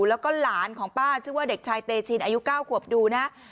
แล้วก็หลานของป้าชื่อว่าเด็กชายเตชินอายุ๙ขวบดูนะ